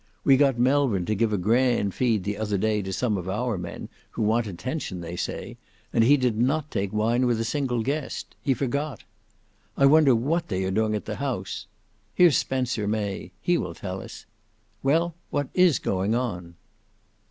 We got Melbourne to give a grand feed the other day to some of our men who want attention they say, and he did not take wine with a single guest. He forgot. I wonder what they are doing at the House! Here's Spencer May, he will tell us. Well, what is going on?"